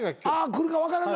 来るか分からない。